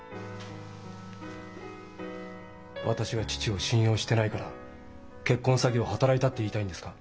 私が父を信用してないから結婚詐欺を働いたって言いたいんですか？